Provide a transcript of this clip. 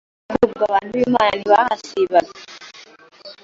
ariko ubwo abantu b’Imana ntibahasibaga